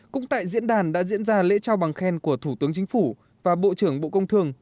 cũng tại diễn đàn đã diễn ra lễ trao bằng khen của thủ tướng chính phủ và bộ trưởng bộ công thương